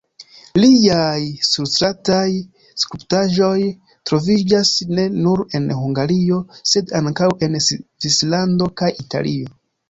Liaj surstrataj skulptaĵoj troviĝas ne nur en Hungario, sed ankaŭ en Svislando kaj Italio.